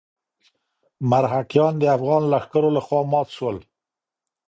مرهټیان د افغان لښکرو لخوا مات شول.